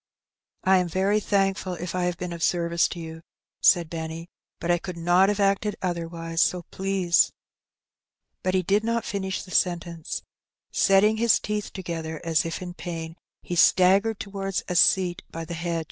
" I am very thankful if I have been of service to you,'* said Benny; "but I could not have acted otherwise, so please " But he did not finish the sentence : setting his teeth toge ther, as if in pain, be staggered towards a seat by the hedge.